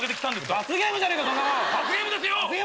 罰ゲームですよ！